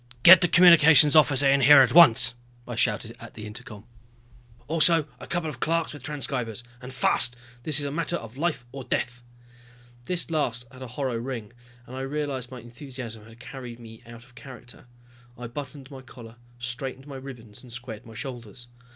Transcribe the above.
"Get the Communications Officer in here at once," I shouted at the intercom. "Also a couple of clerks with transcribers. And fast this is a matter of life or death!" This last had a hollow ring, and I realized my enthusiasm had carried me out of character. I buttoned my collar, straightened my ribbons and squared my shoulders.